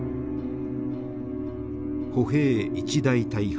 歩兵一大隊半